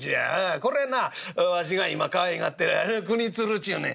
これなわしが今かわいがってる国鶴ちゅうねん」。